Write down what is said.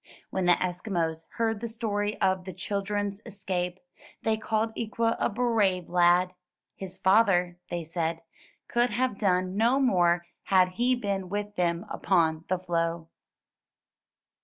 When the Eskimos heard the story of the children's escape, they called Ikwa a brave lad. "His father," they said, "could have done no more had he been with them upon the floe."